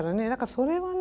それはね